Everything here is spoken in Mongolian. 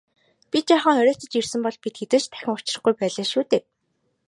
Би жаахан оройтож ирсэн бол бид хэзээ ч дахин учрахгүй байлаа шүү дээ.